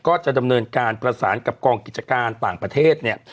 ก็จะดำเนินการประสานกับกองกิจการต่างประเทศเนี่ย